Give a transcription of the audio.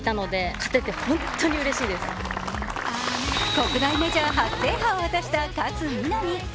国内メジャー初制覇を果たした勝みなみ。